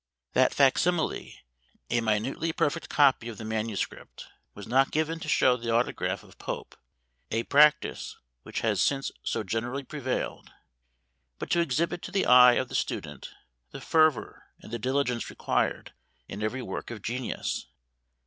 That fac simile, a minutely perfect copy of the manuscript, was not given to show the autograph of Pope, a practice which has since so generally prevailed, but to exhibit to the eye of the student the fervour and the diligence required in every work of genius.